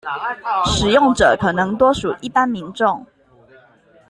使用者可能多屬一般民眾